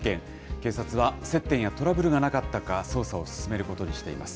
警察は、接点やトラブルがなかったか、捜査を進めることにしています。